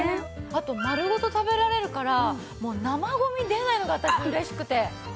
あと丸ごと食べられるから生ゴミ出ないのが私嬉しくて。